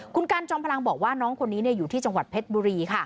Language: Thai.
คุณกันจอมพลังบอกว่าน้องคนนี้อยู่ที่จังหวัดเพชรบุรี